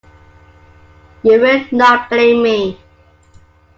You will not blame me.